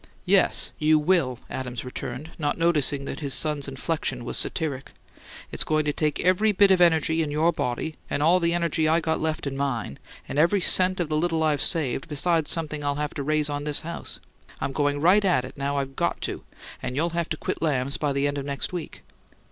"Yes, you will," Adams returned, not noticing that his son's inflection was satiric. "It's going to take every bit of energy in your body, and all the energy I got left in mine, and every cent of the little I've saved, besides something I'll have to raise on this house. I'm going right at it, now I've got to; and you'll have to quit Lamb's by the end of next week."